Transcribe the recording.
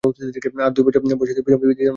তার দুই বছর বয়সে তার পিতামাতার বিবাহবিচ্ছেদ ঘটে।